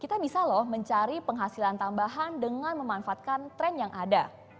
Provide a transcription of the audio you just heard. kita bisa loh mencari penghasilan tambahan dengan memanfaatkan tren yang ada